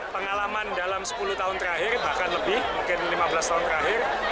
pengalaman dalam sepuluh tahun terakhir bahkan lebih mungkin lima belas tahun terakhir